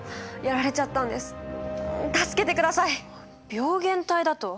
病原体だと？